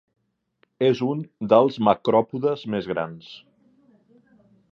És un dels macròpodes més grans.